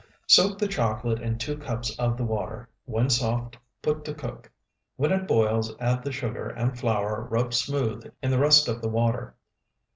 Soak the chocolate in two cups of the water; when soft put to cook; when it boils add the sugar and flour rubbed smooth in the rest of the water.